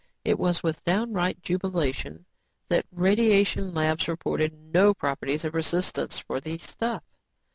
It was with downright jubilation that radiation labs reported no properties of resistance for the stuff.